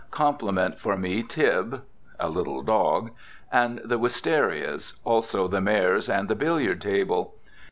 "Compliment for me Tib [a little dog] and the Wisterias, also the mares and the billiard table.